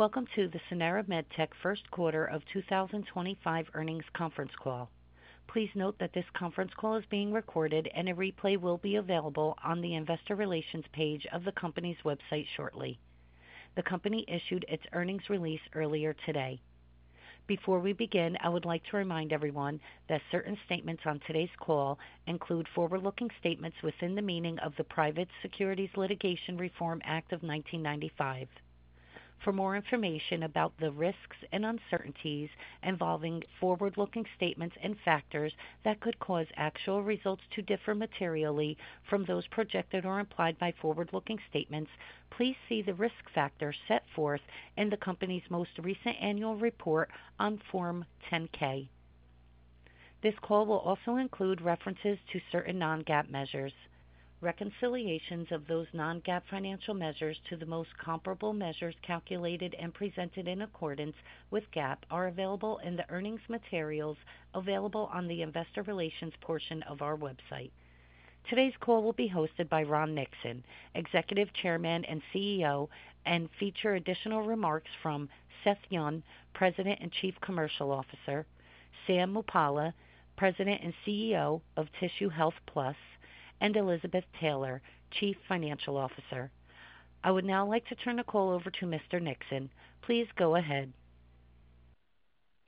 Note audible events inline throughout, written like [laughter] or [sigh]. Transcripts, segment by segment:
Welcome to the Sanara MedTech First Quarter of 2025 Earnings Conference Call. Please note that this conference call is being recorded, and a replay will be available on the investor relations page of the company's website shortly. The company issued its earnings release earlier today. Before we begin, I would like to remind everyone that certain statements on today's call include forward-looking statements within the meaning of the Private Securities Litigation Reform Act of 1995. For more information about the risks and uncertainties involving forward-looking statements and factors that could cause actual results to differ materially from those projected or implied by forward-looking statements, please see the risk factors set forth in the company's most recent annual report on Form 10-K. This call will also include references to certain non-GAAP measures. Reconciliations of those non-GAAP financial measures to the most comparable measures calculated and presented in accordance with GAAP are available in the earnings materials available on the investor relations portion of our website. Today's call will be hosted by Ron Nixon, Executive Chairman and CEO, and feature additional remarks from Seth Yon, President and Chief Commercial Officer, Sam Muppalla, President and CEO of Tissue Health Plus, and Elizabeth Taylor, Chief Financial Officer. I would now like to turn the call over to Mr. Nixon. Please go ahead.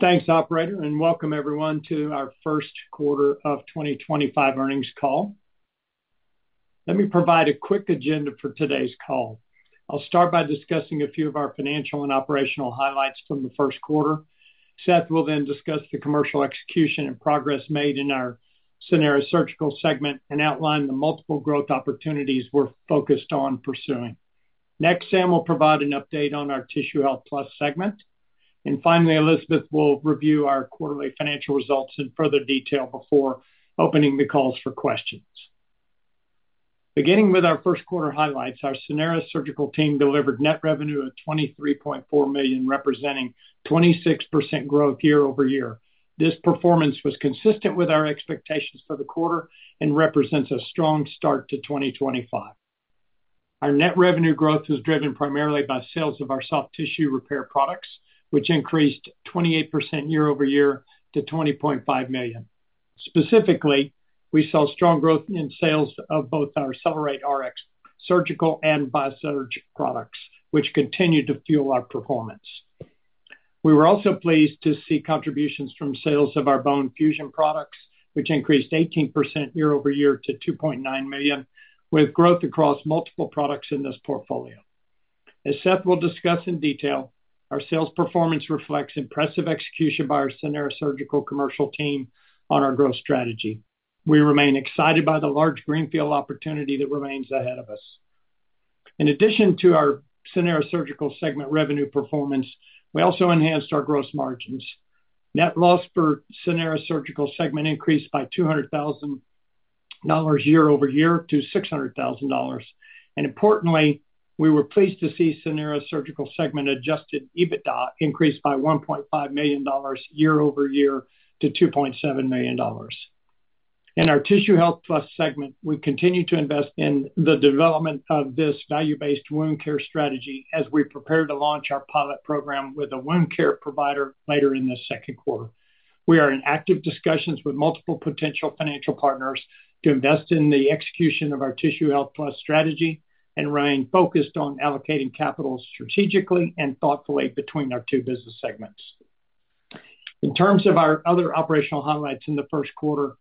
Thanks, Operator, and welcome everyone to our First Quarter of 2025 Earnings Call. Let me provide a quick agenda for today's call. I'll start by discussing a few of our financial and operational highlights from the first quarter. Seth will then discuss the commercial execution and progress made in our Sanara Surgical segment and outline the multiple growth opportunities we're focused on pursuing. Next, Sam will provide an update on our Tissue Health Plus segment. Finally, Elizabeth will review our quarterly financial results in further detail before opening the call for questions. Beginning with our first quarter highlights, our Sanara surgical team delivered net revenue of $23.4 million, representing 26% growth year-over-year. This performance was consistent with our expectations for the quarter and represents a strong start to 2025. Our net revenue growth was driven primarily by sales of our soft tissue repair products, which increased 28% year-over-year to $20.5 million. Specifically, we saw strong growth in sales of both our CellerateRX Surgical and BIASURGE products, which continued to fuel our performance. We were also pleased to see contributions from sales of our bone fusion products, which increased 18% year-over-year to $2.9 million, with growth across multiple products in this portfolio. As Seth will discuss in detail, our sales performance reflects impressive execution by our Sanara Surgical commercial team on our growth strategy. We remain excited by the large greenfield opportunity that remains ahead of us. In addition to our Sanara Surgical segment revenue performance, we also enhanced our gross margins. Net loss for Sanara Surgical segment increased by $200,000 year-over-year to $600,000. Importantly, we were pleased to see Sanara Surgical segment adjusted EBITDA increased by $1.5 million year-over-year to $2.7 million. In our Tissue Health Plus segment, we continue to invest in the development of this value-based wound care strategy as we prepare to launch our pilot program with a wound care provider later in the second quarter. We are in active discussions with multiple potential financial partners to invest in the execution of our Tissue Health Plus strategy and remain focused on allocating capital strategically and thoughtfully between our two business segments. In terms of our other operational highlights in the first quarter,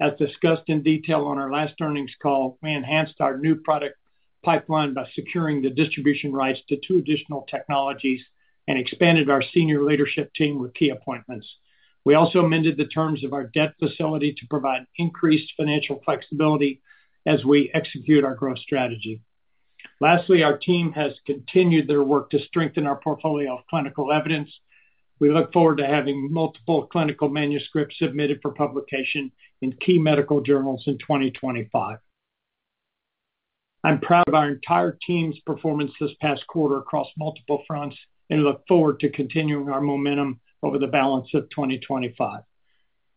as discussed in detail on our last earnings call, we enhanced our new product pipeline by securing the distribution rights to two additional technologies and expanded our senior leadership team with key appointments. We also amended the terms of our debt facility to provide increased financial flexibility as we execute our growth strategy. Lastly, our team has continued their work to strengthen our portfolio of clinical evidence. We look forward to having multiple clinical manuscripts submitted for publication in key medical journals in 2025. I'm proud of our entire team's performance this past quarter across multiple fronts and look forward to continuing our momentum over the balance of 2025.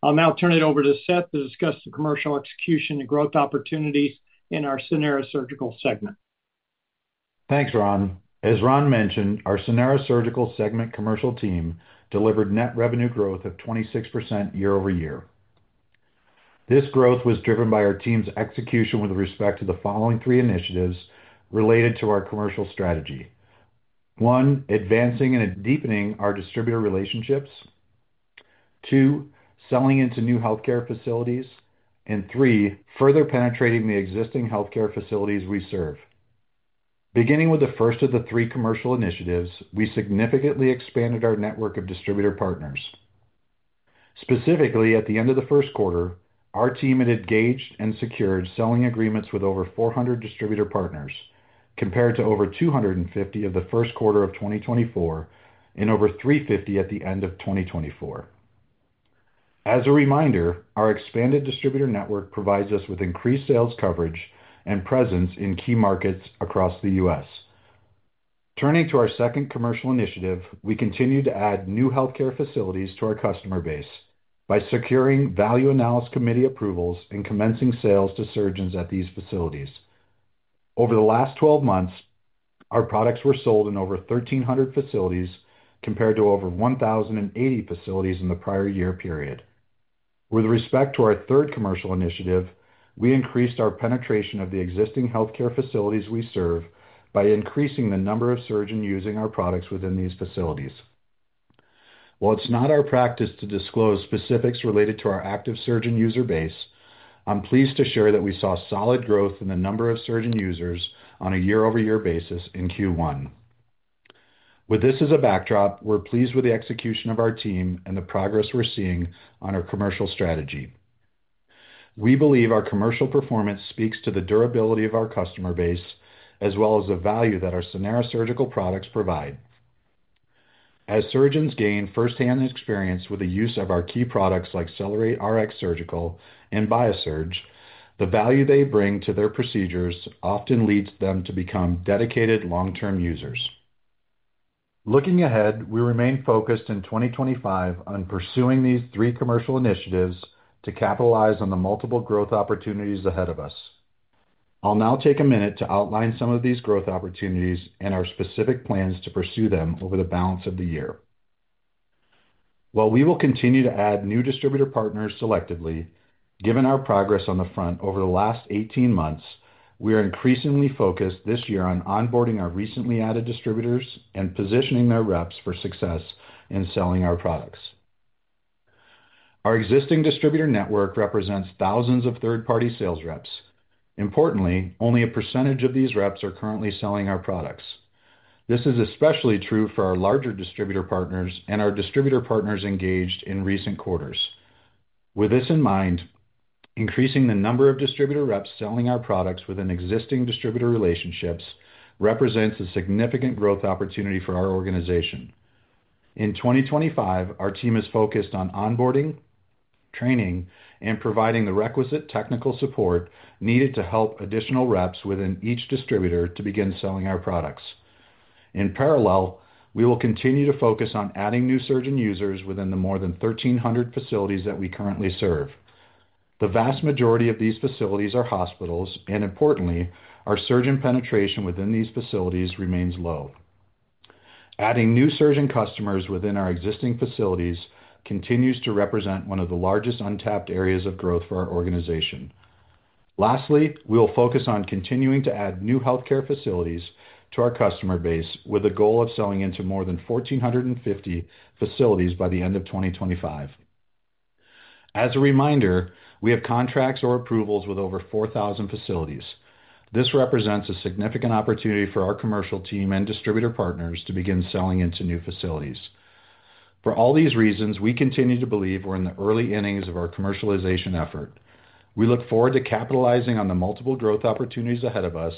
I'll now turn it over to Seth to discuss the commercial execution and growth opportunities in our Sanara Surgical segment. Thanks, Ron. As Ron mentioned, our Sanara Surgical segment commercial team delivered net revenue growth of 26% year-over-year. This growth was driven by our team's execution with respect to the following three initiatives related to our commercial strategy. One, advancing and deepening our distributor relationships. Two, selling into new healthcare facilities. And three, further penetrating the existing healthcare facilities we serve. Beginning with the first of the three commercial initiatives, we significantly expanded our network of distributor partners. Specifically, at the end of the first quarter, our team had engaged and secured selling agreements with over 400 distributor partners, compared to over 250 at the first quarter of 2024 and over 350 at the end of 2024. As a reminder, our expanded distributor network provides us with increased sales coverage and presence in key markets across the U.S. Turning to our second commercial initiative, we continue to add new healthcare facilities to our customer base by securing value analysis committee approvals and commencing sales to surgeons at these facilities. Over the last 12 months, our products were sold in over 1,300 facilities, compared to over 1,080 facilities in the prior year period. With respect to our third commercial initiative, we increased our penetration of the existing healthcare facilities we serve by increasing the number of surgeons using our products within these facilities. While it's not our practice to disclose specifics related to our active surgeon user base, I'm pleased to share that we saw solid growth in the number of surgeon users on a year-over-year basis in Q1. With this as a backdrop, we're pleased with the execution of our team and the progress we're seeing on our commercial strategy. We believe our commercial performance speaks to the durability of our customer base as well as the value that our Sanara surgical products provide. As surgeons gain firsthand experience with the use of our key products like CellerateRX Surgical and BIASURGE, the value they bring to their procedures often leads them to become dedicated long-term users. Looking ahead, we remain focused in 2025 on pursuing these three commercial initiatives to capitalize on the multiple growth opportunities ahead of us. I'll now take a minute to outline some of these growth opportunities and our specific plans to pursue them over the balance of the year. While we will continue to add new distributor partners selectively, given our progress on the front over the last 18 months, we are increasingly focused this year on onboarding our recently added distributors and positioning their reps for success in selling our products. Our existing distributor network represents thousands of third-party sales reps. Importantly, only a percentage of these reps are currently selling our products. This is especially true for our larger distributor partners and our distributor partners engaged in recent quarters. With this in mind, increasing the number of distributor reps selling our products within existing distributor relationships represents a significant growth opportunity for our organization. In 2025, our team is focused on onboarding, training, and providing the requisite technical support needed to help additional reps within each distributor to begin selling our products. In parallel, we will continue to focus on adding new surgeon users within the more than 1,300 facilities that we currently serve. The vast majority of these facilities are hospitals, and importantly, our surgeon penetration within these facilities remains low. Adding new surgeon customers within our existing facilities continues to represent one of the largest untapped areas of growth for our organization. Lastly, we will focus on continuing to add new healthcare facilities to our customer base with a goal of selling into more than 1,450 facilities by the end of 2025. As a reminder, we have contracts or approvals with over 4,000 facilities. This represents a significant opportunity for our commercial team and distributor partners to begin selling into new facilities. For all these reasons, we continue to believe we're in the early innings of our commercialization effort. We look forward to capitalizing on the multiple growth opportunities ahead of us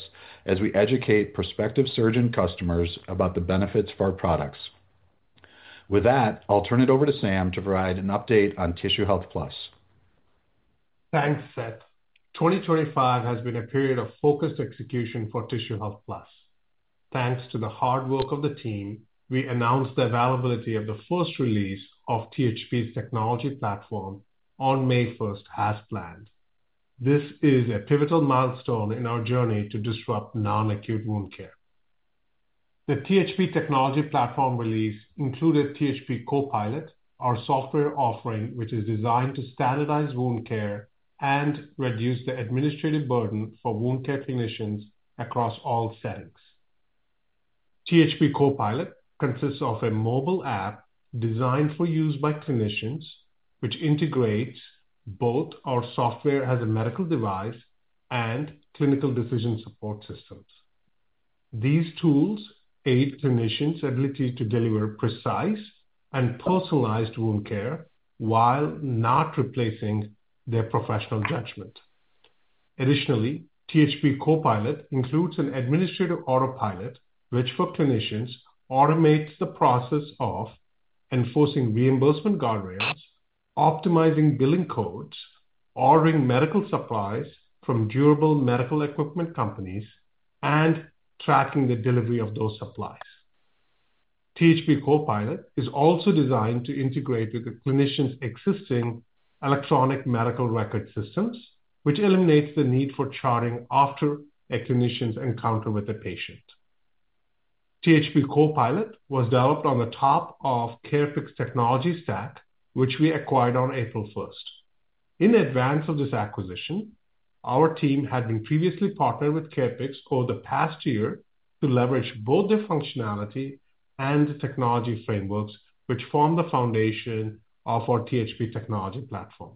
as we educate prospective surgeon customers about the benefits of our products. With that, I'll turn it over to Sam to provide an update on Tissue Health Plus. Thanks, Seth. 2025 has been a period of focused execution for Tissue Health Plus. Thanks to the hard work of the team, we announced the availability of the first release of THP's technology platform on May 1st as planned. This is a pivotal milestone in our journey to disrupt non-acute wound care. The THP technology platform release included THP Copilot, our software offering which is designed to standardize wound care and reduce the administrative burden for wound care clinicians across all settings. THP Copilot consists of a mobile app designed for use by clinicians, which integrates both our software as a medical device and clinical decision support systems. These tools aid clinicians' ability to deliver precise and personalized wound care while not replacing their professional judgment. Additionally, THP Copilot includes an administrative autopilot which, for clinicians, automates the process of enforcing reimbursement guardrails, optimizing billing codes, ordering medical supplies from durable medical equipment companies, and tracking the delivery of those supplies. THP Copilot is also designed to integrate with the clinician's existing electronic medical record systems, which eliminates the need for charting after a clinician's encounter with a patient. THP Copilot was developed on the top of CarePICS technology stack, which we acquired on April 1st. In advance of this acquisition, our team had been previously partnered with CarePICS over the past year to leverage both their functionality and the technology frameworks, which form the foundation of our THP technology platform.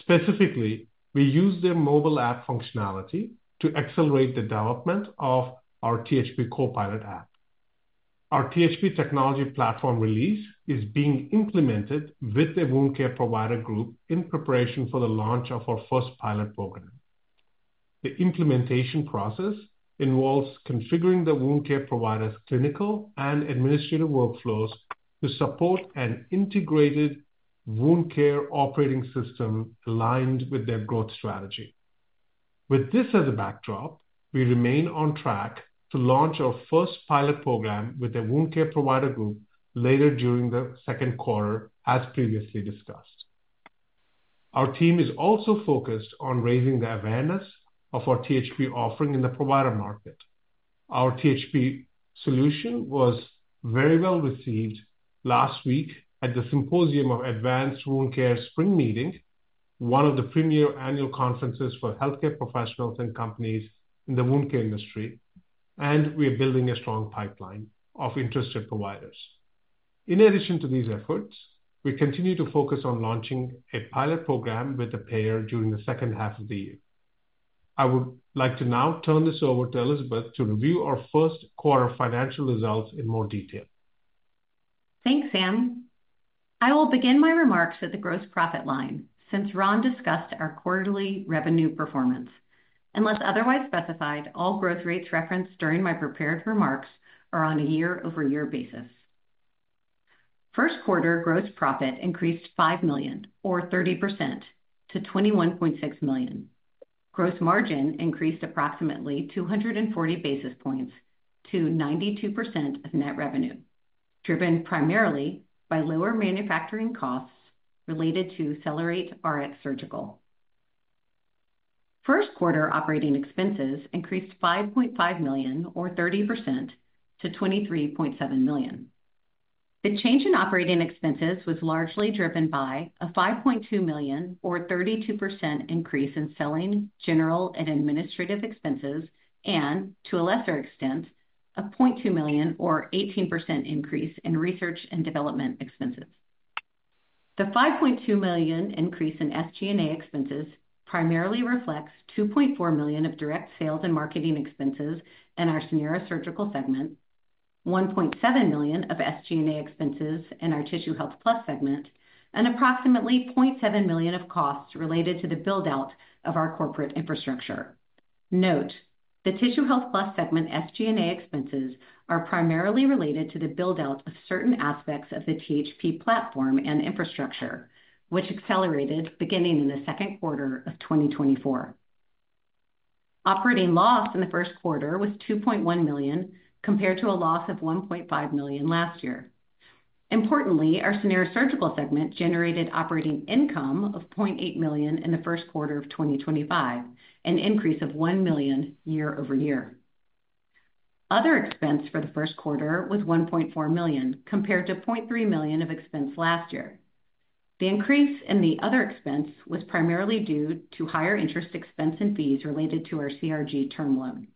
Specifically, we use their mobile app functionality to accelerate the development of our THP Copilot app. Our THP technology platform release is being implemented with the wound care provider group in preparation for the launch of our first pilot program. The implementation process involves configuring the wound care provider's clinical and administrative workflows to support an integrated wound care operating system aligned with their growth strategy. With this as a backdrop, we remain on track to launch our first pilot program with the wound care provider group later during the second quarter, as previously discussed. Our team is also focused on raising the awareness of our THP offering in the provider market. Our THP solution was very well received last week at the Symposium on Advanced Wound Care Spring Meeting, one of the premier annual conferences for healthcare professionals and companies in the wound care industry, and we are building a strong pipeline of interested providers. In addition to these efforts, we continue to focus on launching a pilot program with a payer during the second half of the year. I would like to now turn this over to Elizabeth to review our first quarter financial results in more detail. Thanks, Sam. I will begin my remarks at the gross profit line since Ron discussed our quarterly revenue performance. Unless otherwise specified, all growth rates referenced during my prepared remarks are on a year-over-year basis. First quarter gross profit increased $5 million, or 30%, to $21.6 million. Gross margin increased approximately 240 basis points to 92% of net revenue, driven primarily by lower manufacturing costs related to CellerateRX Surgical. First quarter operating expenses increased $5.5 million, or 30%, to $23.7 million. The change in operating expenses was largely driven by a $5.2 million, or 32%, increase in selling, general and administrative expenses and, to a lesser extent, a $0.2 million, or 18%, increase in research and development expenses. The $5.2 million increase in SG&A expenses primarily reflects $2.4 million of direct sales and marketing expenses in our Sanara Surgical segment, $1.7 million of SG&A expenses in our Tissue Health Plus segment, and approximately $0.7 million of costs related to the buildout of our corporate infrastructure. Note, the Tissue Health Plus segment SG&A expenses are primarily related to the buildout of certain aspects of the THP platform and infrastructure, which accelerated beginning in the second quarter of 2024. Operating loss in the first quarter was $2.1 million, compared to a loss of $1.5 million last year. Importantly, our Sanara Surgical segment generated operating income of $0.8 million in the first quarter of 2025, an increase of $1 million year-over-year. Other expense for the first quarter was $1.4 million, compared to $0.3 million of expense last year. The increase in the other expense was primarily due to higher interest expense and fees related to our CRG term loan.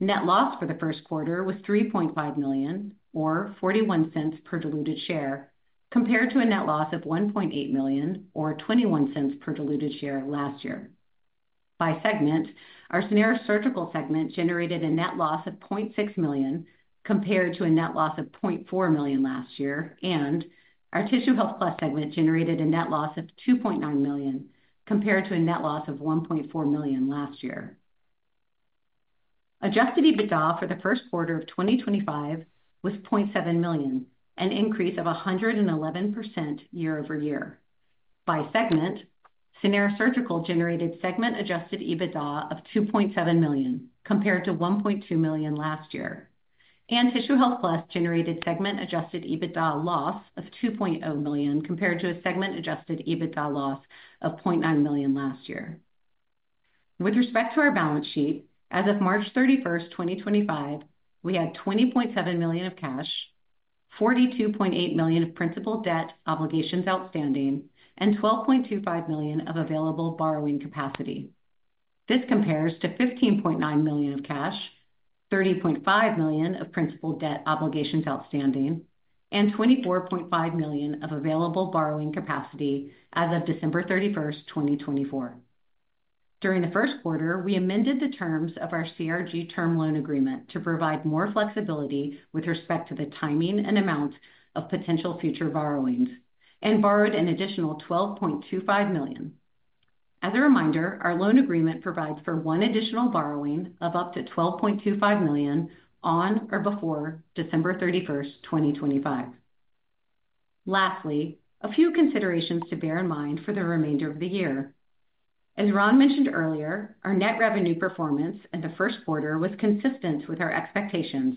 Net loss for the first quarter was $3.5 million, or $0.41 per diluted share, compared to a net loss of $1.8 million, or $0.21 per diluted share last year. By segment, our Sanara Surgical segment generated a net loss of $0.6 million, compared to a net loss of $0.4 million last year, and our Tissue Health Plus segment generated a net loss of $2.9 million, compared to a net loss of $1.4 million last year. Adjusted EBITDA for the first quarter of 2025 was $0.7 million, an increase of 111% year-over-year. By segment, Sanara Surgical generated segment-adjusted EBITDA of $2.7 million, compared to $1.2 million last year, and Tissue Health Plus generated segment-adjusted EBITDA loss of $2.0 million, compared to a segment-adjusted EBITDA loss of $0.9 million last year. With respect to our balance sheet, as of March 31st, 2025, we had $20.7 million of cash, $42.8 million of principal debt obligations outstanding, and $12.25 million of available borrowing capacity. This compares to $15.9 million of cash, $30.5 million of principal debt obligations outstanding, and $24.5 million of available borrowing capacity as of December 31st, 2024. During the first quarter, we amended the terms of our CRG term loan agreement to provide more flexibility with respect to the timing and amount of potential future borrowings and borrowed an additional $12.25 million. As a reminder, our loan agreement provides for one additional borrowing of up to $12.25 million on or before December 31st, 2025. Lastly, a few considerations to bear in mind for the remainder of the year. As Ron mentioned earlier, our net revenue performance in the first quarter was consistent with our expectations,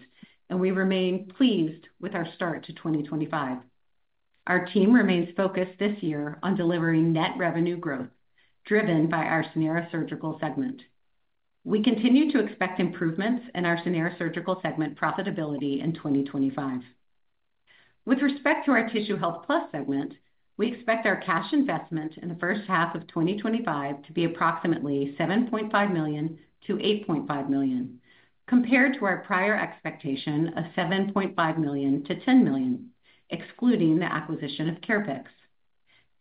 and we remain pleased with our start to 2025. Our team remains focused this year on delivering net revenue growth driven by our Sanara Surgical segment. We continue to expect improvements in our Sanara Surgical segment profitability in 2025. With respect to our Tissue Health Plus segment, we expect our cash investment in the first half of 2025 to be approximately $7.5 million-$8.5 million, compared to our prior expectation of $7.5 million-$10 million, excluding the acquisition of CarePICS.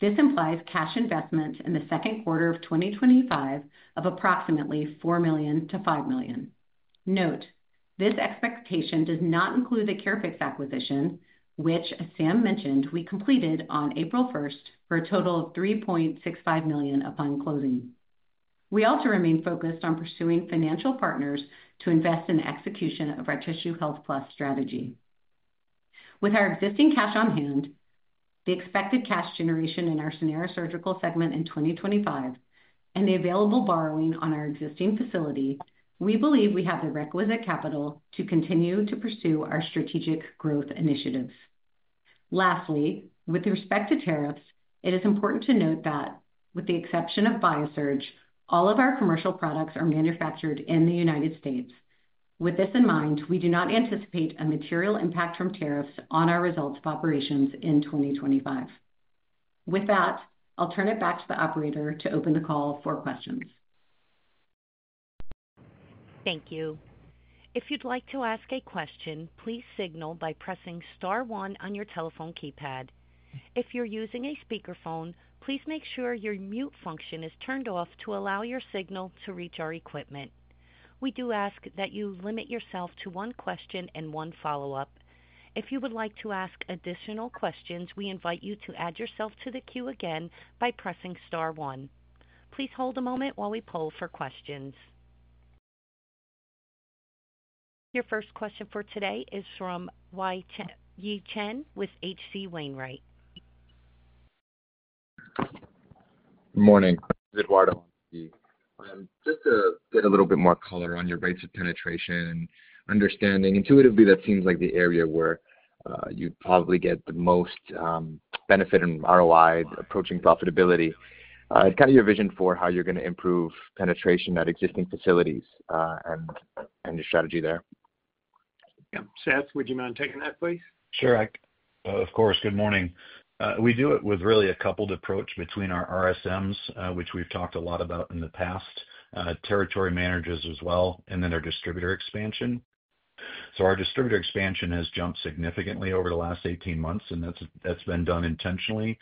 This implies cash investment in the second quarter of 2025 of approximately $4 million-$5 million. Note, this expectation does not include the CarePICS acquisition, which, as Sam mentioned, we completed on April 1st for a total of $3.65 million upon closing. We also remain focused on pursuing financial partners to invest in the execution of our Tissue Health Plus strategy. With our existing cash on hand, the expected cash generation in our Sanara Surgical segment in 2025, and the available borrowing on our existing facility, we believe we have the requisite capital to continue to pursue our strategic growth initiatives. Lastly, with respect to tariffs, it is important to note that, with the exception of BIASURGE, all of our commercial products are manufactured in the United States. With this in mind, we do not anticipate a material impact from tariffs on our results of operations in 2025. With that, I'll turn it back to the operator to open the call for questions. Thank you. If you'd like to ask a question, please signal by pressing star one on your telephone keypad. If you're using a speakerphone, please make sure your mute function is turned off to allow your signal to reach our equipment. We do ask that you limit yourself to one question and one follow-up. If you would like to ask additional questions, we invite you to add yourself to the queue again by pressing star one. Please hold a moment while we poll for questions. Your first question for today is from Yi Chen with HC Wainwright. Good morning. This is Eduardo on Yi. Just to get a little bit more color on your rates of penetration and understanding, intuitively, that seems like the area where you'd probably get the most benefit and ROI, approaching profitability. Kind of your vision for how you're going to improve penetration at existing facilities and your strategy there. Yeah. Seth, would you mind taking that, please? Sure. Of course. Good morning. We do it with really a coupled approach between our RSMs, which we've talked a lot about in the past, territory managers as well, and then our distributor expansion. Our distributor expansion has jumped significantly over the last 18 months, and that's been done intentionally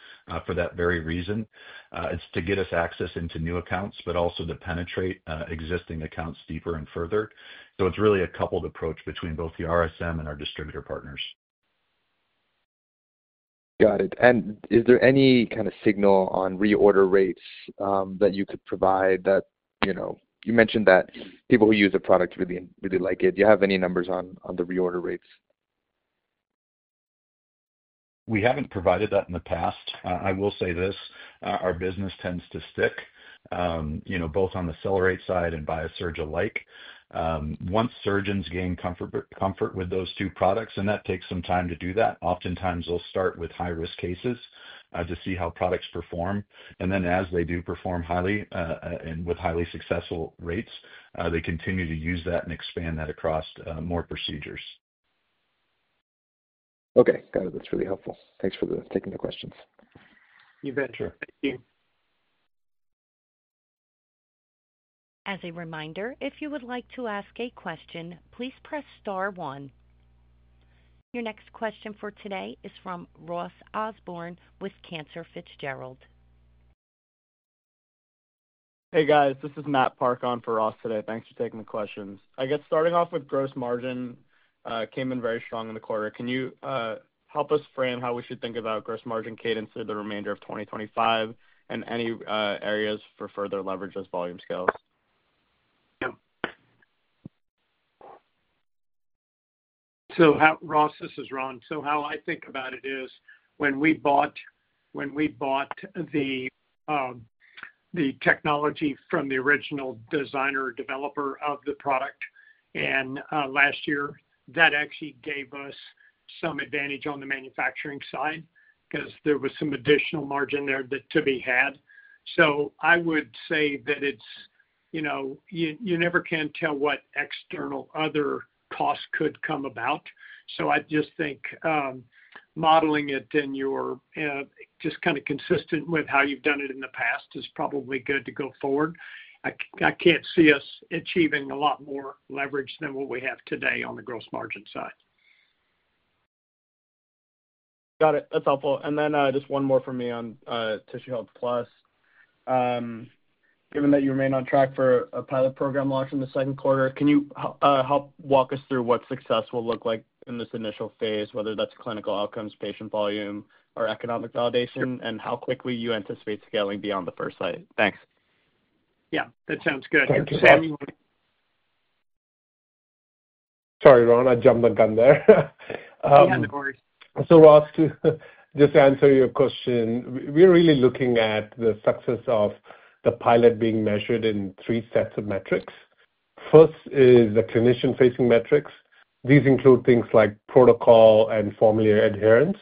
for that very reason. It's to get us access into new accounts, but also to penetrate existing accounts deeper and further. It's really a coupled approach between both the RSM and our distributor partners. Got it. Is there any kind of signal on reorder rates that you could provide? You mentioned that people who use the product really like it. Do you have any numbers on the reorder rates? We haven't provided that in the past. I will say this. Our business tends to stick both on the CellerateRX Surgical side and BIASURGE alike. Once surgeons gain comfort with those two products, and that takes some time to do that, oftentimes they'll start with high-risk cases to see how products perform. As they do perform highly and with highly successful rates, they continue to use that and expand that across more procedures. Okay. Got it. That's really helpful. Thanks for taking the questions. You bet. Thank you. As a reminder, if you would like to ask a question, please press star one. Your next question for today is from Ross Osborne with Cantor Fitzgerald. Hey, guys. This is Matt Park on for Ross today. Thanks for taking the questions. I guess starting off with gross margin came in very strong in the quarter. Can you help us frame how we should think about gross margin cadence through the remainder of 2025 and any areas for further leverage as volume scales? Yeah. So how, Ross? This is Ron. So how I think about it is when we bought the technology from the original designer developer of the product last year, that actually gave us some advantage on the manufacturing side because there was some additional margin there to be had. I would say that you never can tell what external other costs could come about. I just think modeling it and just kind of consistent with how you've done it in the past is probably good to go forward. I can't see us achieving a lot more leverage than what we have today on the gross margin side. Got it. That's helpful. Just one more from me on Tissue Health Plus. Given that you remain on track for a pilot program launch in the second quarter, can you help walk us through what success will look like in this initial phase, whether that's clinical outcomes, patient volume, or economic validation, and how quickly you anticipate scaling beyond the first site? Thanks. Yeah, that sounds good. Thank you, [crosstalk] Sam. Sorry, Ron. I jumped the gun there. Yeah, don't worry. Ross, to just answer your question, we're really looking at the success of the pilot being measured in three sets of metrics. First is the clinician-facing metrics. These include things like protocol and formulary adherence.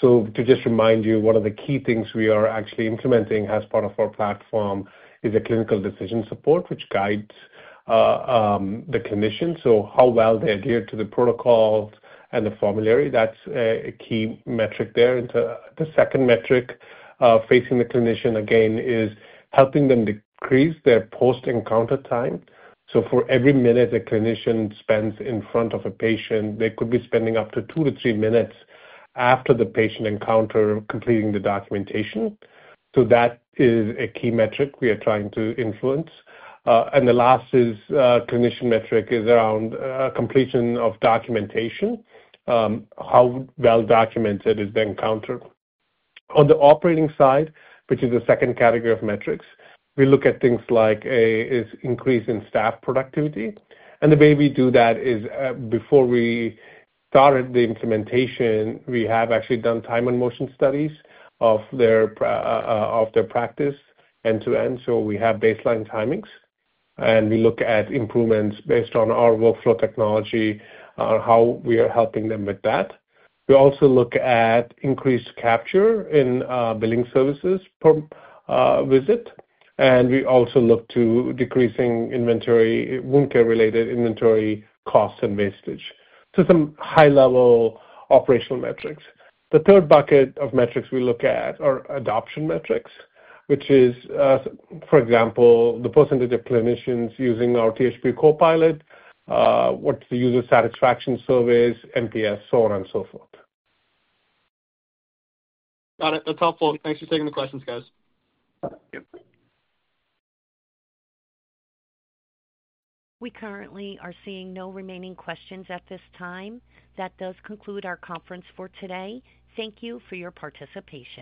To just remind you, one of the key things we are actually implementing as part of our platform is a clinical decision support, which guides the clinician. How well they adhere to the protocol and the formulary, that's a key metric there. The second metric facing the clinician, again, is helping them decrease their post-encounter time. For every minute a clinician spends in front of a patient, they could be spending up to two to three minutes after the patient encounter completing the documentation. That is a key metric we are trying to influence. The last clinician metric is around completion of documentation, how well documented is the encounter. On the operating side, which is the second category of metrics, we look at things like an increase in staff productivity. The way we do that is before we started the implementation, we have actually done time and motion studies of their practice end-to-end. We have baseline timings, and we look at improvements based on our workflow technology, how we are helping them with that. We also look at increased capture in billing services per visit. We also look to decreasing wound care-related inventory costs and wastage. Some high-level operational metrics. The third bucket of metrics we look at are adoption metrics, which is, for example, the percentage of clinicians using our THP Copilot, what is the user satisfaction surveys, NPS, so on and so forth. Got it. That's helpful. Thanks for taking the questions, guys. Thank you. We currently are seeing no remaining questions at this time. That does conclude our conference for today. Thank you for your participation.